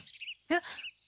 えっ？